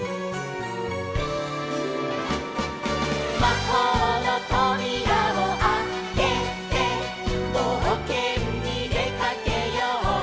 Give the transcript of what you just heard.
「まほうのとびらをあけて」「ぼうけんにでかけよう」